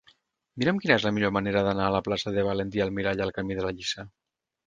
Mira'm quina és la millor manera d'anar de la plaça de Valentí Almirall al camí de la Lliça.